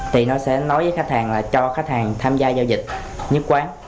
thì nó sẽ nói với khách hàng là cho khách hàng tham gia giao dịch nhất quán